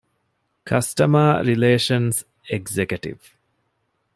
ކަސްޓަމަރ ރިލޭޝަންސް އެގްޒެކެޓިވް